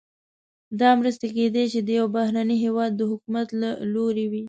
دا مرستې کیدای شي د یو بهرني هیواد د حکومت له لوري وي.